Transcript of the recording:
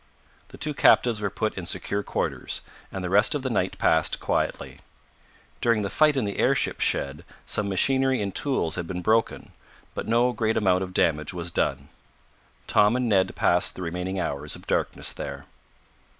The two captives were put in secure quarters, and the rest of the night passed quietly. During the fight in the airship shed some machinery and tools had been broken, but no great amount of damage was done. Tom and Ned passed the remaining hours of darkness there.